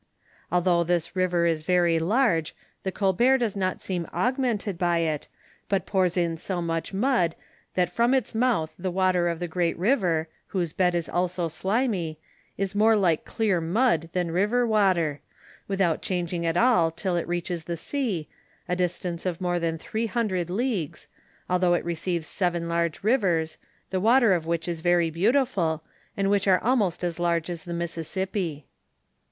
Although this river ir "ery large, the Colbert does not seem augmented by ." bu. ours in so much m a, at from its mouth the water of the great river, whose bed is also slimy, is more like clear mud than I'iver water, without changing at all till it reaches the sea, a distance of more than three hundred leagues, although it receives seven large rivers, the water of which is very beautiful, and which are almost as large as the Mississippi.